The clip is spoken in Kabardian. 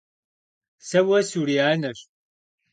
Сэ уэ сурианэщ!